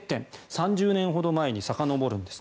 ３０年ほど前にさかのぼるんです。